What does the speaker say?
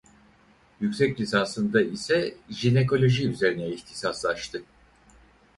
Yüksek lisansında ise Jinekoloji üzerine ihtisaslaştı.